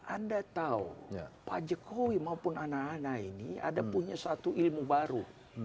anda tahu pak jokowi maupun anak anak ini ada punya satu ilmu baru